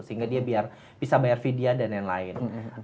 sehingga dia bisa bayar vidya dan lain lain